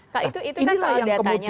kak itu kan soal diatanya